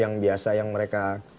yang bisa yang mereka